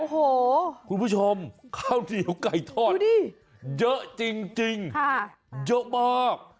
โอ้โหคุณผู้ชมข้าวเหนียวไก่ทอดเยอะจริงเยอะมาก